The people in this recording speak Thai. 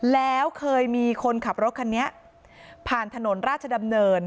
แล้วเคยมีคนขับรถคันนี้ผ่านถนนราชดำเนิน